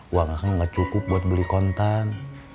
uang akang gak cukup buat beli kontan